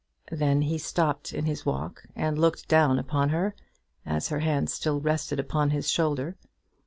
Then he stopped in his walk and looked down upon her, as her hands still rested upon his shoulder.